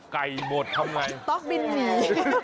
ไก่บดทำไมต๊อกบินหนี